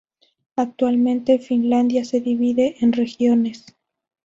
Actualmente Finlandia se divide en regiones.